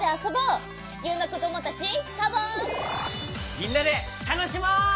みんなでたのしもう！